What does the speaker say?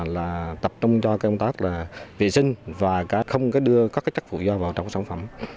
là tập trung cho cái công tác là vệ sinh và không cái đưa các cái chất phụ do vào trong sản phẩm